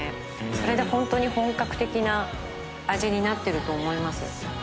それでホントに本格的な味になってると思います